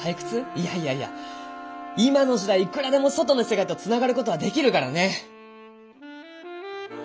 いやいやいや今の時代いくらでも外の世界とつながる事はできるからね。